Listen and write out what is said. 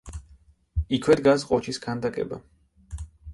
იქვე დგას ყოჩის ქანდაკება.